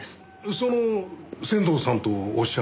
その仙堂さんとおっしゃるのは？